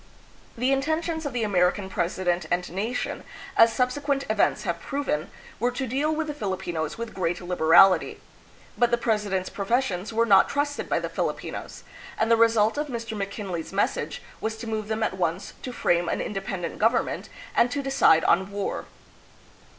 The intentions of the American president and nation, as subsequent Apolinario Mabini. 298 THE PHILIPPINES. events have proven, were to deal with the Filipinos with great liberality; but the president's professions were not trusted by the Filipinos, and the result of Mr. McKinley's message was to move them at once to frame an independent government and to decide on war.